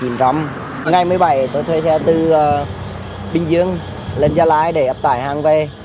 ngày một mươi bảy tôi thuê xe từ bình dương lên gia lai để ép tải hàng về